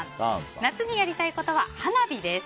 夏にやりたいことは花火です。